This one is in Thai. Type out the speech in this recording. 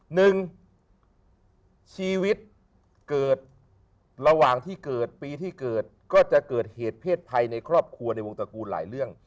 หนึ่งชีวิตเกิดระหว่างที่เกิดปีที่เกิดก็จะเกิดเหตุเพศภัยในครอบครัวในวงตระกูลหลายเรื่อง